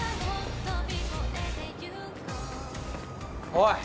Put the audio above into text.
・おい！